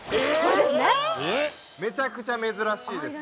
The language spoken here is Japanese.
めちゃくちゃ珍しいです。